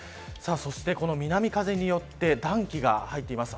そして南風によって暖気が入っています。